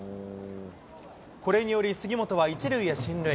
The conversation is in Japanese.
これにより、杉本は１塁へ進塁。